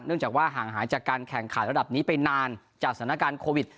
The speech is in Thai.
จากว่าห่างหายจากการแข่งขันระดับนี้ไปนานจากสถานการณ์โควิด